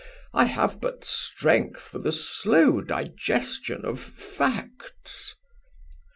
I have but strength for the slow digestion of facts."